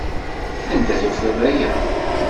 Anda tufiḍ aya?